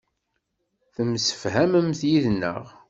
Temsefhamemt yid-neɣ.